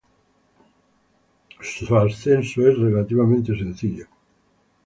Su ascensión es relativamente sencilla.